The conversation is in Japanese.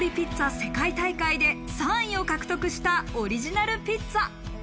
世界大会で３位を獲得したオリジナルピッツァ。